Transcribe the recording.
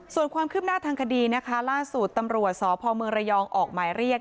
ส่วนความคืบหน้าทางคดีนะคะล่าสุดตำรวจสพเมืองระยองออกหมายเรียก